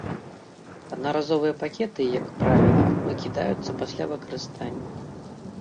Аднаразовыя пакеты, як правіла, выкідаюцца пасля выкарыстання.